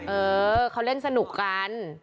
เออเขาเล่นสนุกกัน